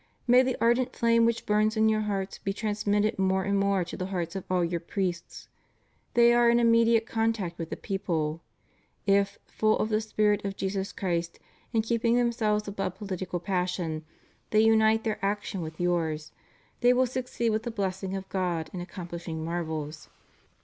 May the ardent flame which burns in your hearts be trans mitted more and more to the hearts of all your priests. They are in immediate contact with the people. If, full of the spirit of Jesus Christ and keeping themselves above political passion, they unite their action with yours they will succeed with the blessing of God in accomplishing marvels.